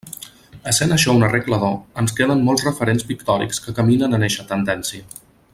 Essent això una regla d'or, ens queden molts referents pictòrics que caminen en eixa tendència.